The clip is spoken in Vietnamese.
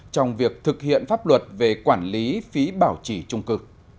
trong việc thực hiện pháp luật về quản lý phí bảo trì trung cư